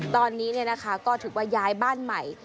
ตอนนี้ก็ถือว่าย้ายบ้านใหม่